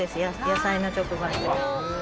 野菜の直売所。